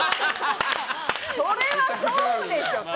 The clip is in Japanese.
それはそうでしょ。